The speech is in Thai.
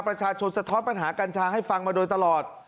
สะท้อนปัญหากัญชาให้ฟังมาโดยตลอด